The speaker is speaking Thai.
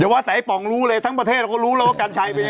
ว่าแต่ไอ้ป๋องรู้เลยทั้งประเทศเราก็รู้แล้วว่ากัญชัยเป็นยังไง